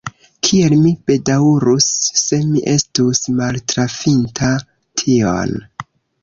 kiel mi bedaŭrus, se mi estus maltrafinta tion!